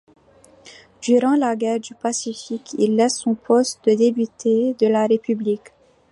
Durant la guerre du Pacifique, il laisse son poste de député de la République.